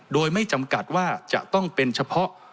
โดยไม่จำกัดว่าจะต้องเป็นเฉพาะ